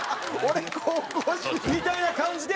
みたいな感じで。